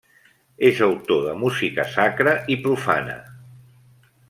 És autor de música sacra i profana.